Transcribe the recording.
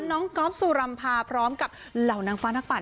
ก๊อฟสุรำพาพร้อมกับเหล่านางฟ้านักปั่น